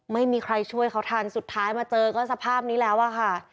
ไม่มีใครช่วยเขาทันสุดท้ายมาเจอก็สภาพนี้แล้วอะค่ะ